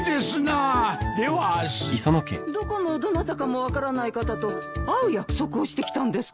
どこのどなたかも分からない方と会う約束をしてきたんですか？